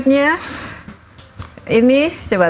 alangnya lah untuk k rat cosas